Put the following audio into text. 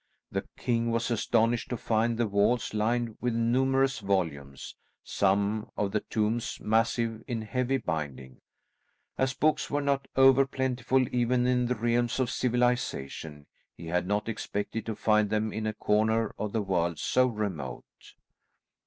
The king was astonished to find the walls lined with numerous volumes, some of the tomes massive in heavy binding. As books were not over plentiful even in the realms of civilisation, he had not expected to find them in a corner of the world so remote.